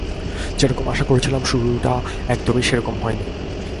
যেরকম আশা করেছিলাম শুরুটা একদমই সেরকম হয়নি।